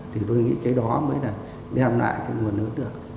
thì tôi nghĩ cái đó mới là đem lại cái nguồn lực